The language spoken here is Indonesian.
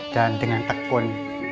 dan dengan tekun